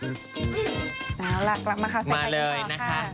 น่ารักมาข่าวใส่ใครดีกว่าค่ะ